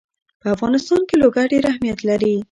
په افغانستان کې لوگر ډېر اهمیت لري.